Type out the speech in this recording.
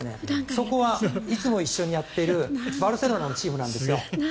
そこはいつも一緒にやっているバルセロナのチームなんですよ。